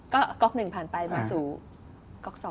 ก็ก๊อก๑ผ่านไปมาสู่ก๊อก๒